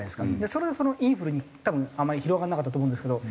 それでインフルにあんまり広がらなかったと思うんですけど。